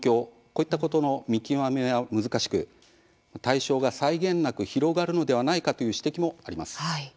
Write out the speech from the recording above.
こういったことの見極めは難しく対象が際限なく広がるのではないかという指摘もあります。